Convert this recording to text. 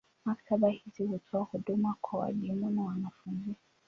Maktaba hizi hutoa huduma kwa walimu na wanafunzi.